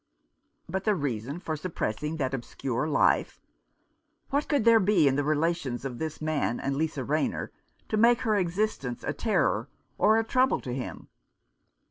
But the reason for suppressing that obscure life ? What could there be in the relations of this man and Lisa Rayner to make her existence a terror or a trouble to him